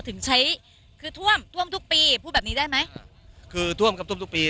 ถึงใช้คือท่วมท่วมทุกปีพูดแบบนี้ได้ไหมคือท่วมครับท่วมทุกปี